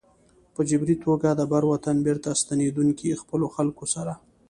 په جبري توګه د بر وطن بېرته ستنېدونکو خپلو خلکو سره.